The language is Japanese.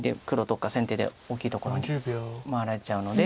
どっか先手で大きいところに回られちゃうので。